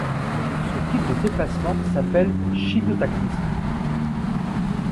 Ce type de déplacement s'appelle chimiotactisme.